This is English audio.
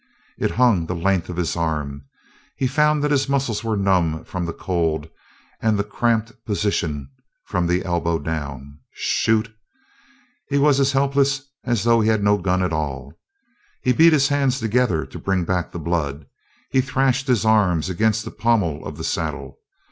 It hung the length of his arm; he found that his muscles were numb from the cold and the cramped position from the elbow down. Shoot? He was as helpless as though he had no gun at all. He beat his hands together to bring back the blood. He thrashed his arms against the pommel of the saddle.